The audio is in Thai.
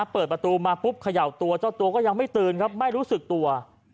เปิดประตูมาปุ๊บเขย่าตัวเจ้าตัวก็ยังไม่ตื่นครับไม่รู้สึกตัว